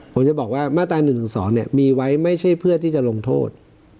ผมจะบอกว่ามาตรา๑๑๒มีไว้ไม่ใช่เพื่อที่จะลงโทษ